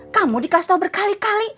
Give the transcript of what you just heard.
kamu dikasih tahu berkali kali